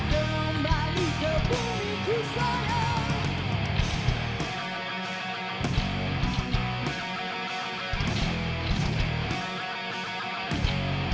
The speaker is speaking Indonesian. kembali ke bumiku sayang